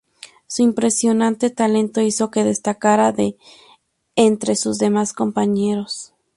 Su impresionante talento hizo que destacara de entre sus demás compañeros.